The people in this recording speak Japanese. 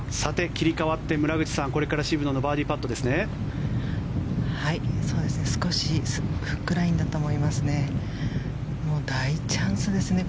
切り替わって村口さんこれから渋野のバーディーパットですね。